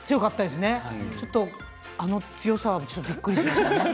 ちょっとあの強さはびっくりしました。